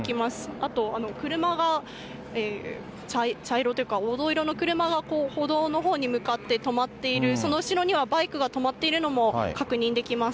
あと車が茶色というか、黄土色の車が歩道のほうに向かって、止まっている、その後ろにはバイクが止まっているのも確認できます。